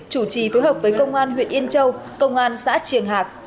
chủ trì phối hợp với công an huyện yên châu công an xã triềng hạc